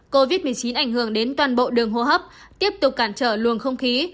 covid một mươi chín ảnh hưởng đến toàn bộ đường hô hấp tiếp tục cản trở luồng không khí